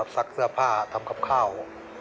ซักเสื้อผ้าทำกับข้าว